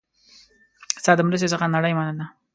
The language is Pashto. ستا د مرستې څخه نړۍ مننه